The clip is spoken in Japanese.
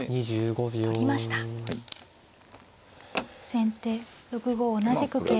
先手６五同じく桂馬。